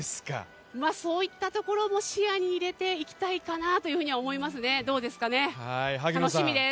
そういったところも視野に入れていきたいかなと思いますね楽しみです。